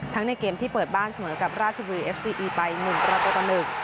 ทั้งในเกมที่เปิดบ้านสมัยกับราชบุรีเอฟซีอีไบนึงราตรตะหนึ่ง